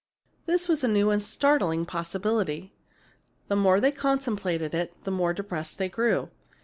This was a new and startling possibility. The more they contemplated it, the more depressed they grew.